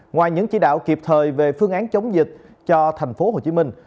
ngoài những chỉ đạo kịp thời về phương án chống dịch cho thành phố hồ chí minh